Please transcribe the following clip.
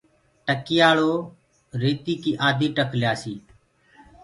ٽڪيآݪِو ريتيو ڪي آڌي ٽڪ ليآسي